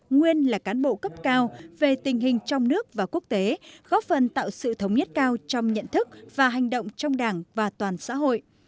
nguyên là cán bộ cấp cao về tình hình trong nước và quốc tế góp phần tạo sự thống nhất cao trong nhận thức và hành động trong đảng và toàn xã hội